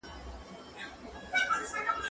زه پرون کتابونه لوستل کوم،